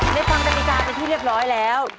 เจ๊ฟังกันดีการในที่เรียบร้อยแล้ว